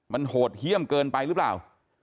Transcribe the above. มันโหดเยี่ยมเกินไปหรือเปล่า